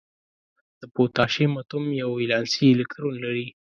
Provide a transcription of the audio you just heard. د پوتاشیم اتوم یو ولانسي الکترون لري.